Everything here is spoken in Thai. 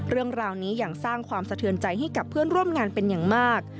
เรื่องราวนี้ยังสร้างความสะเทือนใจให้กับเพื่อนร่วมงานเป็นอย่างมาก